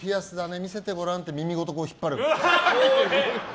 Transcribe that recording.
見せてごらんって耳ごと引っ張る。